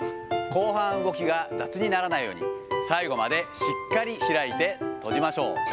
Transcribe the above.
後半、動きが雑にならないように、最後までしっかり開いて閉じましょう。